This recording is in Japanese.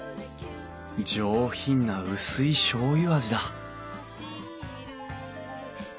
上品な薄いしょうゆ味だ